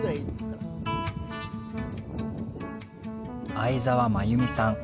相沢真由美さん。